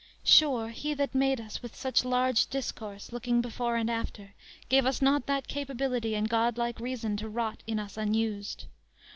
Sure, he that made us with such large discourse Looking before and after, gave us not That capability and god like reason To rot in us unused.